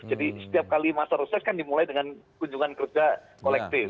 jadi setiap kali masa reses kan dimulai dengan kunjungan kerja kolektif